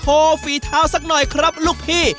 ฝีเท้าสักหน่อยครับลูกพี่